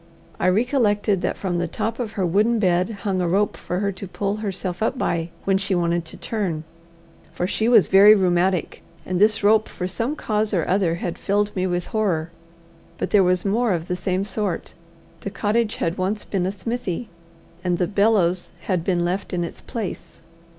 I recollected that from the top of her wooden bed hung a rope for her to pull herself up by when she wanted to turn, for she was very rheumatic, and this rope for some cause or other had filled me with horror. But there was more of the same sort. The cottage had once been a smithy, and the bellows had been left in its place.